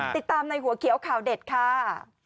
ในหัวเขียวข่าวเด็ดค่ะ